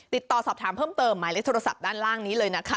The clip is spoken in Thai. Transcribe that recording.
ติดต่อสอบถามเพิ่มเติมหมายเลขโทรศัพท์ด้านล่างนี้เลยนะคะ